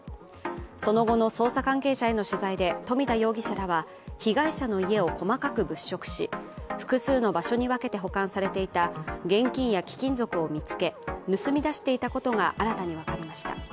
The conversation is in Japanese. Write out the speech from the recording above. その後の捜査関係者への取材で富田容疑者らは被害者の家を細かく物色し、複数の場所に分けて保管されていた現金や貴金属を見つけ盗み出していたことが新たに分かりました。